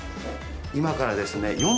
今からですね。